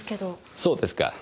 そうですか。